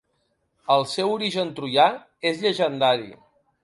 El seu origen troià és llegendari.